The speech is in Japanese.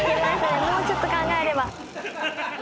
もうちょっと考えれば。